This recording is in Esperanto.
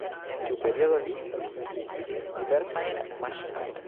En tiu periodo li funkciigis diversajn maŝinojn.